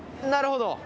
なるほど。